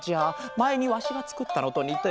まえにわしがつくったのとにてる。